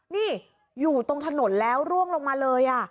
นี่อยู่ตรงถนนแล้วร่วงลงมาเลย